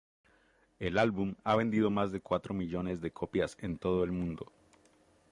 El álbum ha vendido más de cuatro millones copias en todo el mundo.